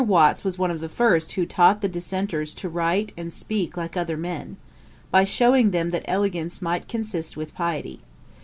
Watts was one of the first who taught the Dissenters to write and speak like other men, by shewing them that elegance might consist with piety.